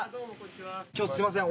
今日すいません